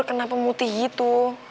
kenapa muti gitu